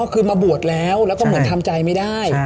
คือมาบวชแล้วแล้วก็เหมือนทำใจไม่ได้